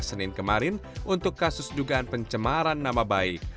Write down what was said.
senin kemarin untuk kasus dugaan pencemaran nama baik